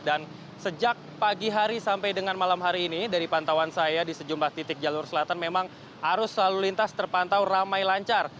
dan sejak pagi hari sampai dengan malam hari ini dari pantauan saya di sejumlah titik jalur selatan memang arus selalu lintas terpantau ramai lancar